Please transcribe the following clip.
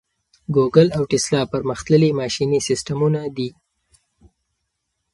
ګوګل او ټیسلا پرمختللي ماشیني سیسټمونه دي.